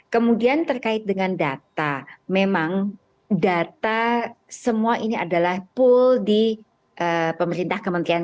kemudian terkait dengan data memang data semua ini adalah pool di pemerintah kementerian